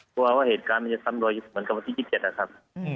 กลัวว่าเหตุการณ์มันจะตำรวจอยู่เหมือนกับวันที่๒๗นะครับ